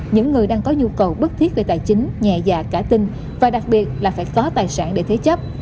những người đang có nhu cầu bất thiết về tài chính nhà già cả tinh và đặc biệt là phải có tài sản để thế chấp